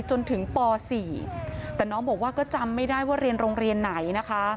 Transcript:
จนถึงป๔แต่น้องบอกว่าก็จำไม่ได้ว่าเรียนโรงเรียนไหนนะคะ